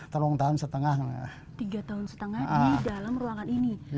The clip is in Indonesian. tiga tahun setengah di dalam ruangan ini